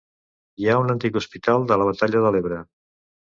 Hi ha un antic hospital de la Batalla de l'Ebre.